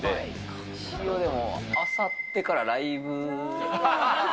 一応でも、あさってからライブ。